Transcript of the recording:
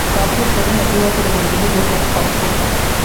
Scorpia, another reviewer for the magazine, was less positive.